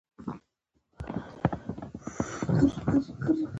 له دروازې چې ووتم، مېرمنې مې یو جام اوبه راپسې وشیندلې.